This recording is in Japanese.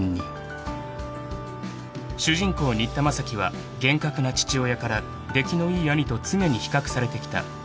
［主人公新田正樹は厳格な父親から出来のいい兄と常に比較されてきた］